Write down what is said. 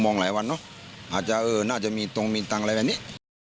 หลายวันเนอะอาจจะเออน่าจะมีตรงมีตังค์อะไรแบบนี้